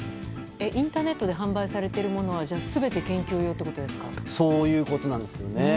インターネットで販売されているものは、全てそういうことなんです。